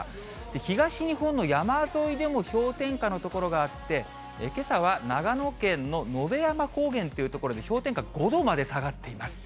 東日本の山沿いでも氷点下の所があって、けさは長野県の野辺山高原という所で氷点下５度まで下がっています。